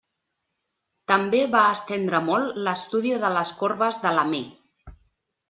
També va estendre molt l'estudi de les corbes de Lamé.